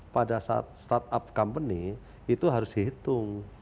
pada start up company itu harus dihitung